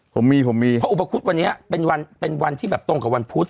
ผมมีผมมีเพราะอุปคุฎวันนี้เป็นวันเป็นวันที่แบบตรงกับวันพุธ